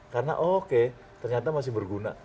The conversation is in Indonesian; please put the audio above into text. karena oke ternyata masih berguna